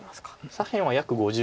左辺は約５０目。